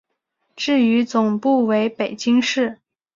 至于总部为北京市。